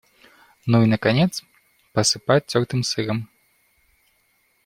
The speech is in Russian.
Ну и, наконец, посыпать тёртым сыром.